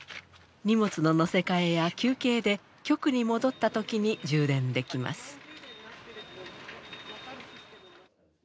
荷物の載せ替えや休憩で局に戻った時に充電できます。